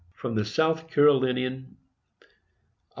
From the South Carolinian, Oct.